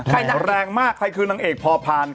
แรงมากใครคือนางเอกพอพาน